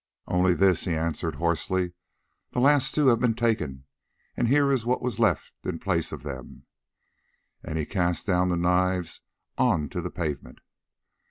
"Only this," he answered hoarsely; "the last two have been taken, and here is what was left in the place of them," and he cast down the knives on to the pavement.